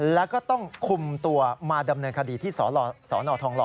แล้วก็ต้องคุมตัวมาดำเนินคดีที่สนทองหล